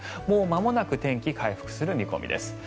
もうまもなく天気が回復する見込みです。